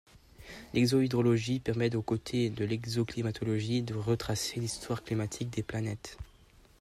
L'exohydrologie permet au côté de l'exoclimatologie de retracer l'histoire climatique des planètes.